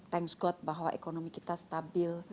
thanks got bahwa ekonomi kita stabil